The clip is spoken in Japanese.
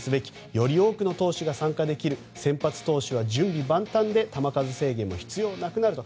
より多くの投手が参加できる先発投手は準備万端で球数制限も必要なくなると。